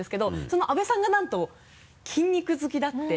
その阿部さんが何と筋肉好きだって。